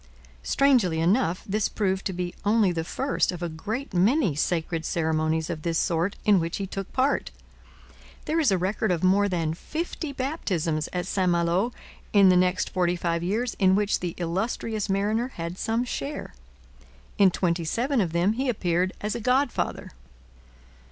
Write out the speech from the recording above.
Strangely enough, this proved to be only the first of a great many sacred ceremonies of this sort in which he took part. There is a record of more than fifty baptisms at St Malo in the next forty five years in which the illustrious mariner had some share; in twenty seven of them he appeared as a godfather.